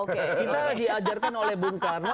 kita diajarkan oleh bung karno